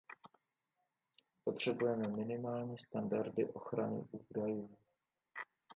Potřebujeme minimální standardy ochrany údajů.